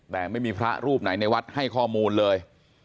แต่ไม่มีพระรูปไหนในวัดให้ข้อมูลเลย